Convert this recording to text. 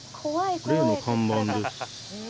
例の看板です。